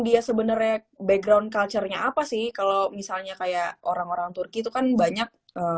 dia sebenarnya background culture nya apa sih kalau misalnya kayak orang orang turki itu kan banyak